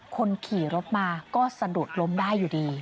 คนขี่รถมาก็สะดุดล้มได้อยู่ดี